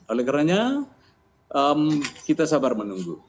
oleh karena kita sabar menunggu